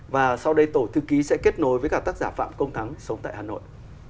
và sau đây tổ thư ký sẽ kết nối với cả tác giả phạm công thắng sống tại hà nội